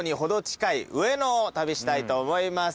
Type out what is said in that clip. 旅したいと思います。